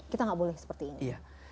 kita nggak boleh seperti ini